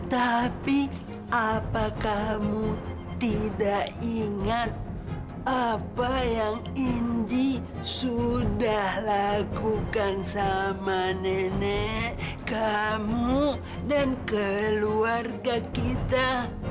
tapi apa kamu tidak ingat apa yang inji sudah lakukan sama nenek kamu dan keluarga kita